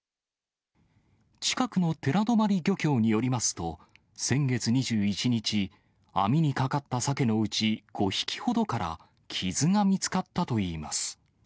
近くの寺泊漁協によりますと、先月２１日、網にかかったサケのうち５匹ほどから傷が見つかったといいます。